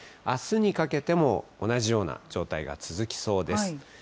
あすにかけても同じような状態が続きそうです。